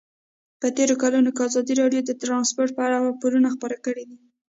په تېرو کلونو کې ازادي راډیو د ترانسپورټ په اړه راپورونه خپاره کړي دي.